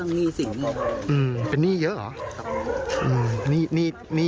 นี่นอกระบบอะไรอย่างนี้นะ